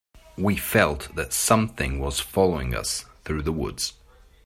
We felt that something was following us through the woods.